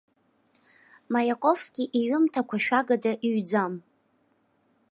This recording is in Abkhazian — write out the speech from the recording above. Маиаковски иҩымҭақәа шәагада иҩӡам.